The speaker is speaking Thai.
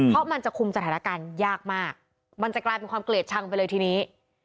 เพราะมันจะคุมสถานการณ์ยากมากมันจะกลายเป็นความเกลียดชังไปเลยทีนี้